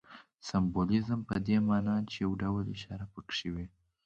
سمبولیزم په دې ماناچي یو ډول اشاره پکښې وي.